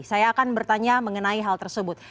saya akan bertanya mengenai hal tersebut